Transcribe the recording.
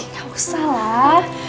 gak usah lah